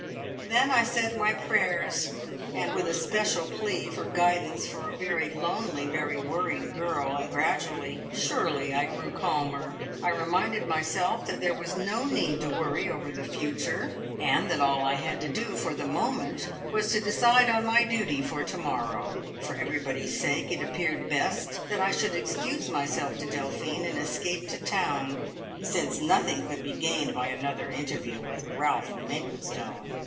Then I said my prayers, with a special plea for guidance for a very lonely, very worried girl, and gradually, surely, I grew calmer. I reminded myself that there was no need to worry over the future; and that all I had to do for the moment was to decide on my duty for to morrow. For everybody's sake it appeared best that I should excuse myself to Delphine and escape to town, since nothing could be gained by another interview with Ralph Maplestone.